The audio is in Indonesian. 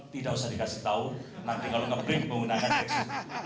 tidak usah dikasih tahu nanti kalau ngebring menggunakan drag suit